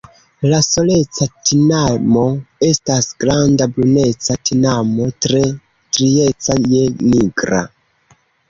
La Soleca tinamo estas granda bruneca tinamo tre strieca je nigra.